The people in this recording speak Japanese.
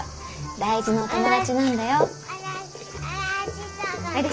大事なお友達なんだよ。おいで。